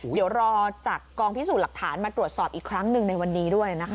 เดี๋ยวรอจากกองพิสูจน์หลักฐานมาตรวจสอบอีกครั้งหนึ่งในวันนี้ด้วยนะคะ